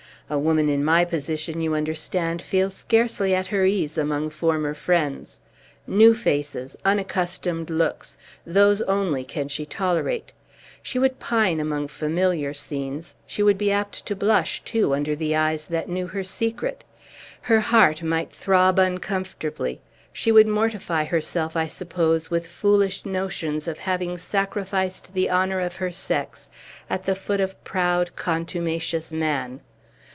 A woman in my position, you understand, feels scarcely at her ease among former friends. New faces, unaccustomed looks, those only can she tolerate. She would pine among familiar scenes; she would be apt to blush, too, under the eyes that knew her secret; her heart might throb uncomfortably; she would mortify herself, I suppose, with foolish notions of having sacrificed the honor of her sex at the foot of proud, contumacious man.